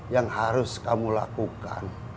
yang harus kamu lakukan